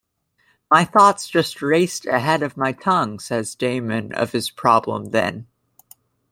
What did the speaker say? "My thoughts just raced ahead of my tongue", says Damon of his problem then.